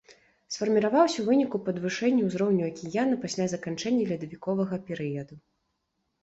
Сфарміраваўся ў выніку падвышэння ўзроўню акіяна пасля заканчэння ледавіковага перыяду.